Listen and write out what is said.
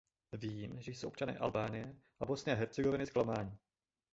Vím, že jsou občané Albánie a Bosny a Hercegoviny zklamaní.